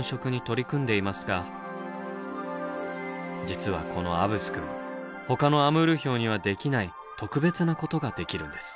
実はこのアブスくんほかのアムールヒョウにはできない特別なことができるんです。